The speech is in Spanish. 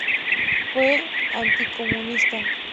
Fue anticomunista.